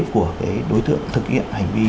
của cái đối tượng thực hiện hành vi